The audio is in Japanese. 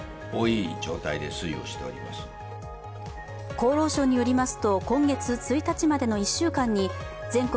厚労省によりますと今月１日までの１週間に全国